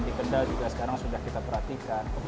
dikendal juga sekarang sudah kita perhatikan